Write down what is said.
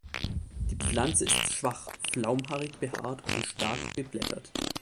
Die Pflanze ist schwach flaumhaarig behaart und stark beblättert.